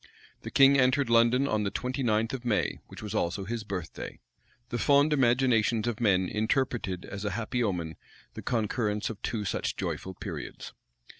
The king entered London on the twenty ninth of May, which was also his birthday. The fond imaginations of men interpreted as a happy omen the concurrence of two such joyful periods.